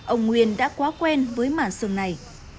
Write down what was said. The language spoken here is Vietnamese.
ông nguyên đã quá quen với mả sương này